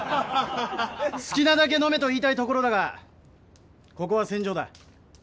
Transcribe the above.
好きなだけ飲めと言いたいところだがここは戦場だ。